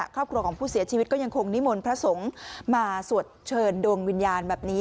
ครอบครัวของผู้เสียชีวิตก็ยังคงนิมนต์พระสงฆ์มาสวดเชิญดวงวิญญาณแบบนี้